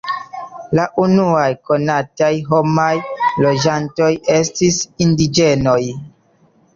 La unuaj konataj homaj loĝantoj estis indiĝenoj.